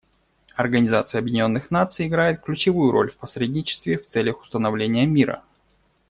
Организация Объединенных Наций играет ключевую роль в посредничестве в целях установления мира.